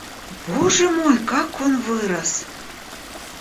Боже мой, как он вырос!